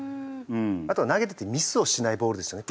あとは投げててミスをしないボールですよね